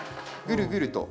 ぐるぐると。